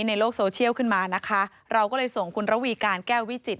ในโลกโซเชียลขึ้นมานะคะเราก็เลยส่งคุณระวีการแก้ววิจิต